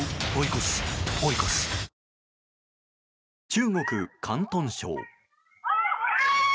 中国・広東省。